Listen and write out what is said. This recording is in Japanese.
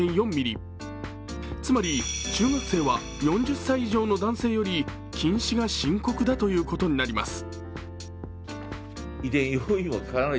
つまり、中学生は４０歳以上の男性より近視が深刻だということが分かります。